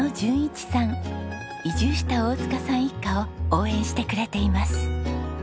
移住した大塚さん一家を応援してくれています。